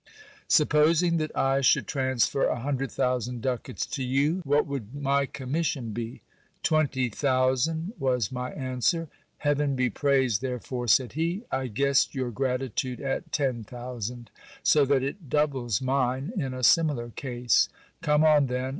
Supposing that I should transfer a hundred thousand ducats to you, what would my commission be ? Twenty thousand ! was my answer. Heaven be praised therefore ! said he. I guessed your gratitude at ten thousand ; so that it doubles mine in a similar case. Come on then